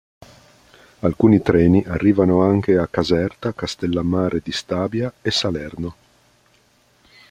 Alcuni treni arrivano anche a Caserta, Castellammare di Stabia e Salerno.